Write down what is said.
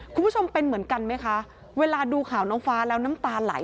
คุณผู้ชมเป็นเหมือนกันไหมคะเวลาดูข่าวน้องฟ้าแล้วน้ำตาไหล